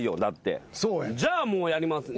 じゃあもうやりません。